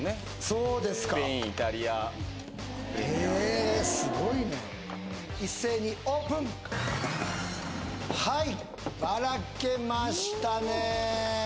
そうですかへえすごいね一斉にオープンはいバラけましたね